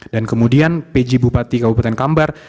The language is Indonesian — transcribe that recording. dan kemudian pj bupati kabupaten kampar